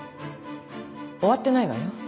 終わってないわよ。